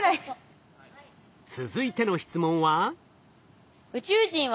続いての質問は？